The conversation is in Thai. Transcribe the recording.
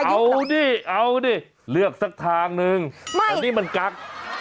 เอาดิเอาดิเลือกสักทางนึงอันนี้มันกั๊ก